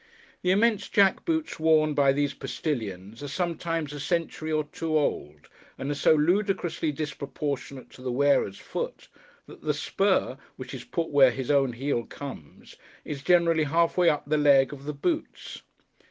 The immense jack boots worn by these postilions, are sometimes a century or two old; and are so ludicrously disproportionate to the wearer's foot, that the spur, which is put where his own heel comes, is generally halfway up the leg of the boots.